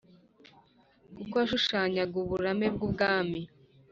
kuko washushanyaga "uburame" bw'ubwami